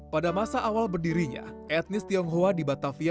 pada masa awal berdirinya etnis tionghoa di batavia